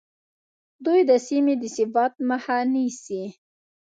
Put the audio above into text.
دوی د سیمې د ثبات مخه نیسي